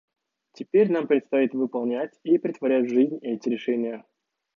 Теперь нам предстоит выполнять и претворять в жизнь эти решения.